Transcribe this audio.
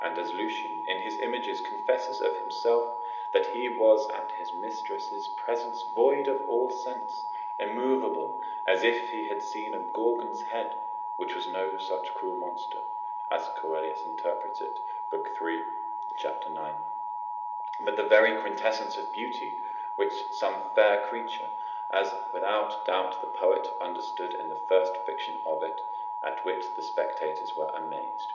And as Lucian, in his images, confesses of himself, that he was at his mistress's presence void of all sense, immovable, as if he had seen a Gorgon's head: which was no such cruel monster (as Coelius interprets it, lib. 3. cap. 9.), but the very quintessence of beauty, some fair creature, as without doubt the poet understood in the first fiction of it, at which the spectators were amazed.